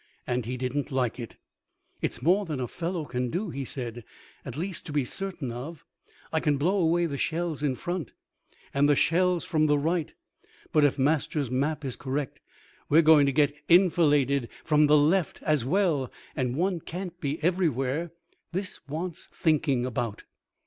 And he didn't like it. "It's more than a fellow can do," he said; "at least to be certain of. I can blow away the shells in front and the shells from the right, but if Master's map is correct we're going to get enfiladed from the left as well, and one can't be everywhere. This wants thinking about."